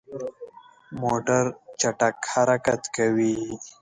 موټر چټک حرکت کوي.